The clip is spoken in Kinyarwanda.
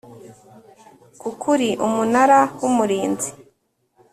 k ukuri Umunara w Umurinzi